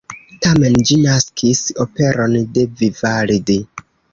Tamen ĝi naskis operon de Vivaldi.